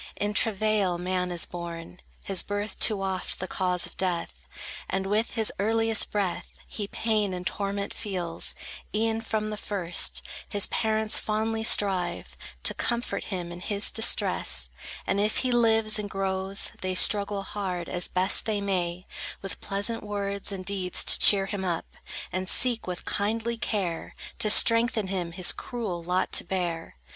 In travail man is born; His birth too oft the cause of death, And with his earliest breath He pain and torment feels: e'en from the first, His parents fondly strive To comfort him in his distress; And if he lives and grows, They struggle hard, as best they may, With pleasant words and deeds to cheer him up, And seek with kindly care, To strengthen him his cruel lot to bear.